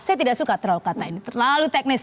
saya tidak suka terlalu kata ini terlalu teknis